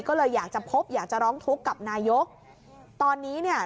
ก็เลยอยากจะพบอยากจะร้องทุกข์กับนายกตอนนี้เนี่ย